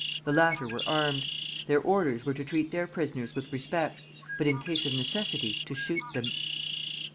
The latter were armed. Their orders were to treat their prisoners with respect, but in case of necessity to shoot them.